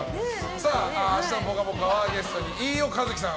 明日の「ぽかぽか」はゲストに飯尾和樹さん。